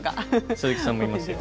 鈴木さんもいますよ。